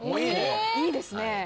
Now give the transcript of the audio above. いいですね。